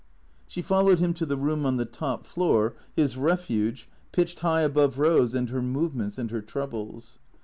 She followed him to the room on the top floor, his refuge, pitched high above Eose and her movements and her troubles.